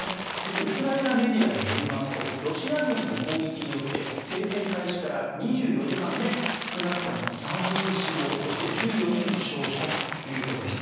ウクライナメディアによりますとロシア軍の攻撃によって停戦開始から２４時間で少なくとも３人死亡そして１４人負傷したということです。